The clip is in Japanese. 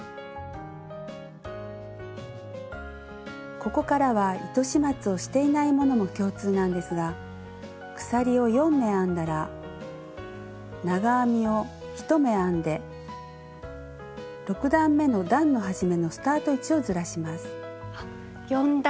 ここからは糸始末をしていないものも共通なんですが鎖を４目編んだら長編みを１目編んで６段めの段の始めのスタート位置をずらします。